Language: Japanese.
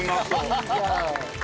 いいじゃん。